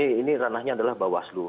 dan tentu ini ranahnya adalah bawaslu